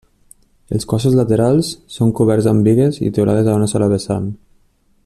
Els cossos laterals són coberts amb bigues i teulada a una sola vessant.